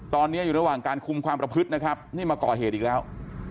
ตอนนี้อยู่ระหว่างการคุมความประพฤตินะครับนี่มาก่อเหตุอีกแล้ว